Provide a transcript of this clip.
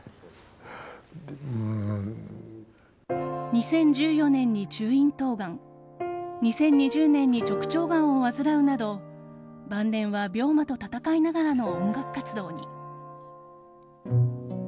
２０１４年に中咽頭がん２０２０年に直腸がんを患うなど晩年は病魔と闘いながらの音楽活動に。